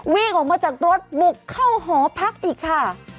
วิ่งออกมาจากรถบุกเข้าหอพักอีกค่ะ